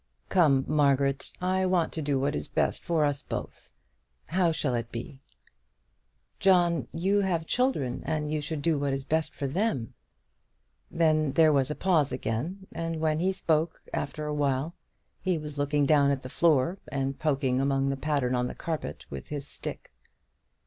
"Come, Margaret; I want to do what is best for us both. How shall it be?" "John, you have children, and you should do what is best for them." Then there was a pause again, and when he spoke after a while, he was looking down at the floor and poking among the pattern on the carpet with his stick.